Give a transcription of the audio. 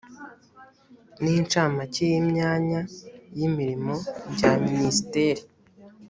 n incamake y imyanya y imirimo bya minisiteri